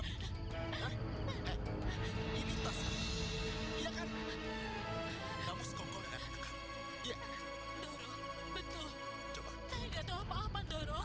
saya enggak tahu apa apa doros